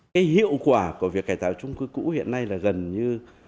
cái hiệu quả của việc cải tạo trung cư cũ hiện nay là gần như